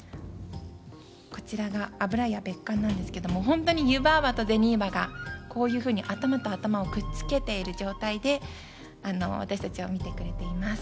こちらが油屋別館なんですけれども、本当に湯婆婆と銭婆が、こういうふうに頭と頭をくっつけている状態で私たちを見てくれています。